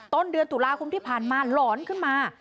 ต้นเดือนตุลาคมที่ผ่านมาหลอนขึ้นมา